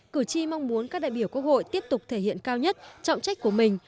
cử tri mong muốn các đại biểu quốc hội tiếp tục thể hiện cao nhất trọng trách của mình